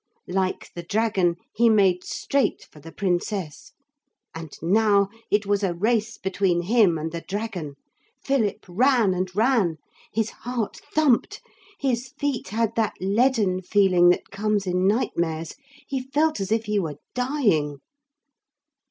Like the dragon he made straight for the Princess. And now it was a race between him and the dragon. Philip ran and ran. His heart thumped, his feet had that leaden feeling that comes in nightmares. He felt as if he were dying.